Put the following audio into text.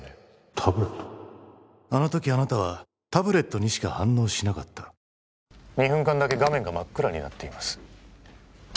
あのときあなたはタブレットにしか反応しなかった２分間だけ画面が真っ暗になっています